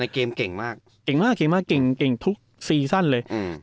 เกมเก่งมากเก่งมากเก่งมากเก่งเก่งทุกซีซั่นเลยอืม